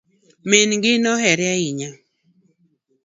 Min gi nohere ahinya